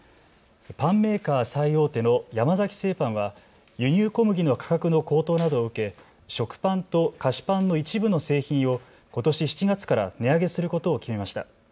パンメーカー最大手の山崎製パンは輸入小麦の価格の高騰などを受け食パンと菓子パンの一部の製品をことし７月から値上げすることを決めました。